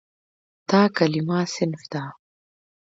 دا کلمه "صنف" ده.